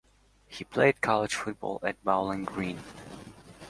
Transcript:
He played college football at Bowling Green.